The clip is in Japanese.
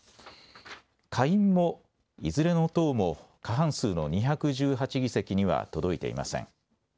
下院も、いずれの党も過半数の２１８議席には、届いていません。